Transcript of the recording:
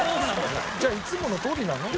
じゃあいつものとおりなの？